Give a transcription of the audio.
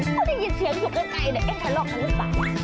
ถ้าได้ยินเสียงอยู่ไกลเนี่ยเอ๊ะทะเลาะกันหรือเปล่า